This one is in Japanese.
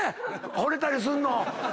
ほれたりすんの。